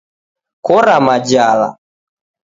Kora majala.